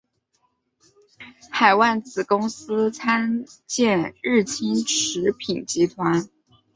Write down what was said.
海外子公司参见日清食品集团。